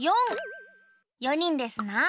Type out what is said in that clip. ４にんですな。